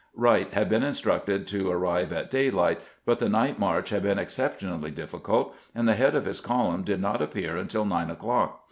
Wright had been instructed to arrive at daylight, but the night march had been exceptionally difficult, and the head of his column did not appear until nine o'clock.